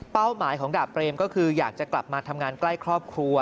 หมายของดาบเบรมก็คืออยากจะกลับมาทำงานใกล้ครอบครัว